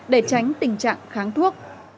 để tránh tình trạng kháng thuốc